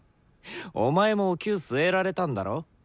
お前もおきゅう据えられたんだろ？